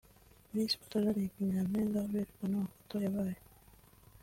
Miss Photogenic (nyampinga uberwa n'amafoto) yabaye